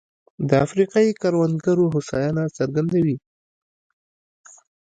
د افریقايي کروندګرو هوساینه څرګندوي.